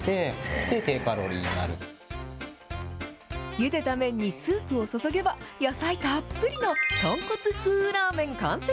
ゆでた麺にスープを注げば、野菜たっぷりの豚骨風ラーメン完成。